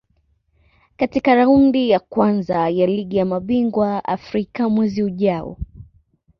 katika Raundi ya Kwanza ya Ligi ya Mabingwa Afrika mwezi ujao